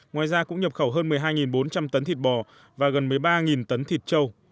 ngoài ra cũng nhập khẩu hơn một mươi hai bốn trăm linh tấn thịt bò và gần một mươi ba tấn thịt châu